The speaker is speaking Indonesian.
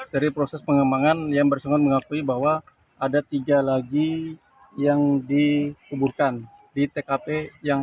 dari proses pengembangan yang bersangkutan mengakui bahwa ada tiga lagi yang dikuburkan di tkp yang